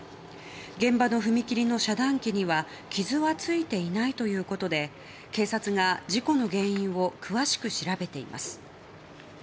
現場の踏切の遮断機には傷はついていないということで警察が事故の原因を詳しく調べています。